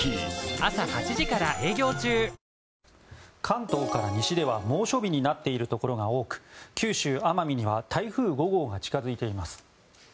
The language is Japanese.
関東から西では猛暑日になっているところが多く九州、奄美には台風５号が近づいています。